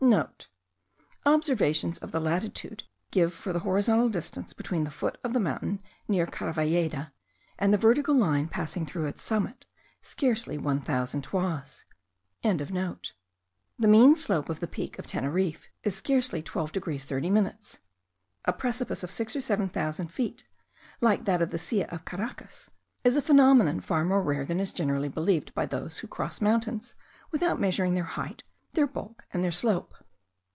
*(* Observations of the latitude give for the horizontal distance between the foot of the mountain near Caravalleda, and the vertical line passing through its summit, scarcely 1000 toises.) The mean slope of the peak of Teneriffe is scarcely 12 degrees 30 minutes. A precipice of six or seven thousand feet, like that of the Silla of Caracas, is a phenomenon far more rare than is generally believed by those who cross mountains without measuring their height, their bulk, and their slope.